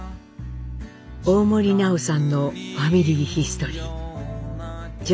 大森南朋さんのファミリーヒストリー。